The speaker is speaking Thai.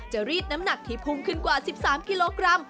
รีดน้ำหนักที่พุ่งขึ้นกว่า๑๓กิโลกรัม